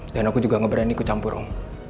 dan aku juga gak berani ku campur om